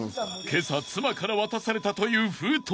［今朝妻から渡されたという封筒］